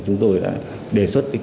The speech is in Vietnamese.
chúng tôi đã xác định được địa chỉ